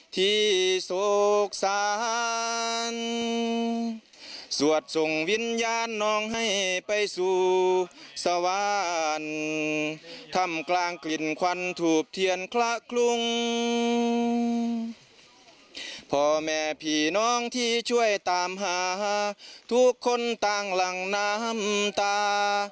ที่อย่างคละคลุงพ่อแม่พี่น้องที่ช่วยตามหาทุกคนต่างหลังน้ำตา